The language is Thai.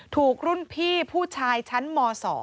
ถูกรุ่นพี่ผู้ชายชั้นม๒